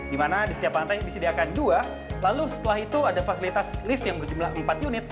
dimana di setiap lantai disediakan dua lalu setelah itu ada fasilitas lift yang berjumlah empat unit